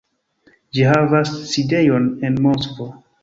Ĝi havas sidejon en Moskvo.